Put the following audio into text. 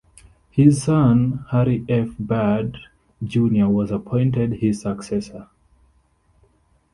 His son, Harry F. Byrd, Junior was appointed his successor.